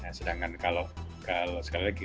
nah sedangkan kalau sekali lagi